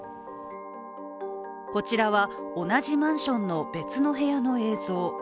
こちらは同じマンションの別の部屋の映像。